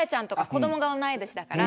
子どもが同い年だから。